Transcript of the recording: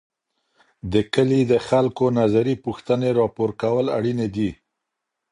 د کلي د خلګو نظري پوښتني راپور کول اړیني دي.